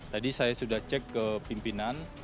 tadi saya sudah cek ke pimpinan